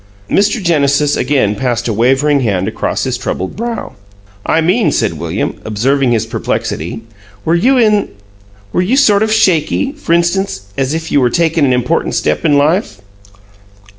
Mr. Genesis again passed a wavering hand across his troubled brow. "I mean," said William, observing his perplexity, "were you sort of shaky f'rinstance, as if you were taking an important step in life?"